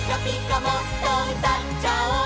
もっとうたっちゃおう！」